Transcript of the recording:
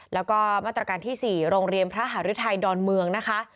แล้วก็มาตรการที่๔โรงเรียนพระหารุทัยดอนเมืองนะคะ